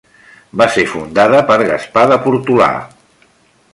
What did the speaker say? Va ser fundada per Gaspar de Portolà.